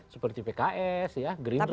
seperti pks ya green draw gitu